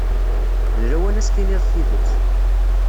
D lawan ad s-tiniḍ tidet.